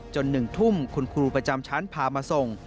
๑ทุ่มคุณครูประจำชั้นพามาส่ง